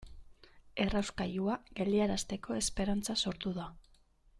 Errauskailua geldiarazteko esperantza sortu da.